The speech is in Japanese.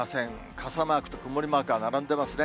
傘マークと曇りマークが並んでますね。